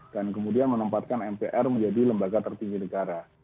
dan kemudian menempatkan mpr menjadi lembaga tertinggi negara